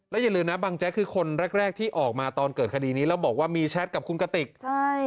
อย่าลืมนะบังแจ๊กคือคนแรกแรกที่ออกมาตอนเกิดคดีนี้แล้วบอกว่ามีแชทกับคุณกติกใช่